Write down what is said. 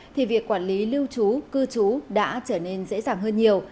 thì việc quản lý lưu trú cư trú đã trở nên dễ dàng hơn nhiều